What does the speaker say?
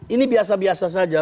ini biasa biasa saja